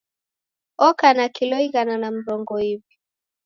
Oka na kilo ighana na murongo iw'i